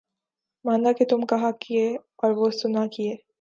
مانا کہ تم کہا کیے اور وہ سنا کیے